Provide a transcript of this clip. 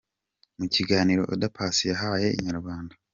Mu kiganiro Oda Paccy yahaye Inyarwanda.